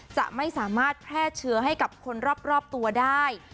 จะไม่สามารถแพร่เชื้อให้กับคนรอบตัวได้